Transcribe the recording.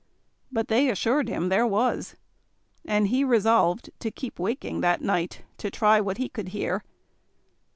But they assured him there was; and he resolved to keep waking that night to try what he could hear.